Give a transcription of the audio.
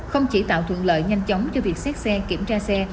không chỉ tạo thuận lợi nhanh chóng cho việc xét xe kiểm tra xe